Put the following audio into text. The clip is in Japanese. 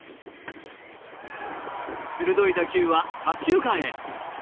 鋭い打球は左中間へ。